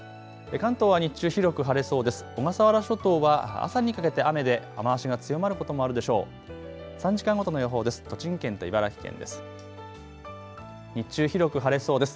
関東は日中広く晴れそうです。